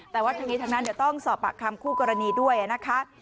แต่ว่าทั้งนี้ทั้งนั้นเดี๋ยวต้องสอบปากคำคู่กรณีด้วยนะคะ